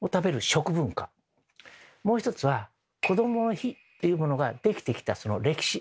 もう一つは「こどもの日」っていうものができてきたその歴史。